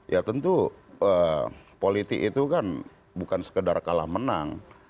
ya tentu politik itu kan bukan sekedar kalah menang